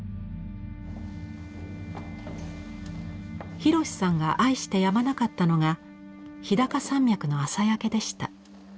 洋さんが愛してやまなかったのが日高山脈の朝焼けでした。